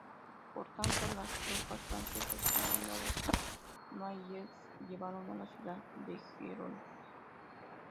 Por tanto, las tropas francesas, comandadas por Noailles, llegaron a la ciudad de Gerona.